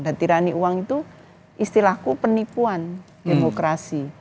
dan tirani uang itu istilahku penipuan demokrasi